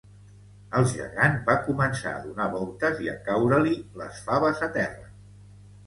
El gegant va començar a donar voltes i a caure-li les faves a terra